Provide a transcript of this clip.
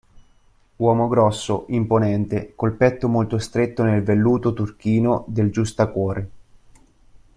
Uomo grosso, imponente, col petto molto stretto nel velluto turchino del giustacuore.